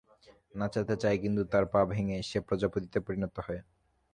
নাচতে চায়, কিন্তু তার পা ভেঙ্গে, সে প্রজাপতিতে পরিণত হয়।